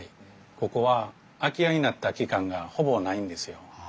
ここは空き家になった期間がほぼないんですよ。